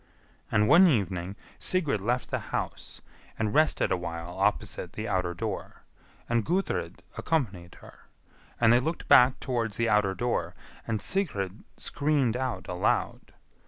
[And one evening Sigrid left the house, and rested awhile opposite the outer door; and Gudrid accompanied her; and they looked back towards the outer door, and Sigrid screamed out aloud.